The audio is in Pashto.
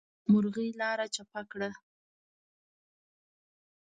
مرغۍ لاره چپه کړه.